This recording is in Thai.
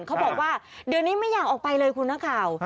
เขาบอกว่าเดี๋ยวนี้ไม่อยากออกไปเลยคุณนักข่าว